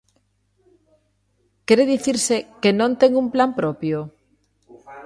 ¿Quere dicirse que non ten un plan propio?